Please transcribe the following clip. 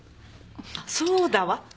そうだわ。